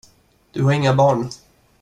Du har inga barn.